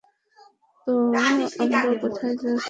তো, আমরা কোথায় যাচ্ছি?